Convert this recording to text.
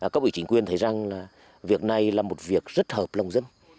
các vị chính quyền thấy rằng là việc này là một việc rất hợp lòng dân